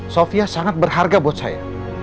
sofia sangat berharga buat saya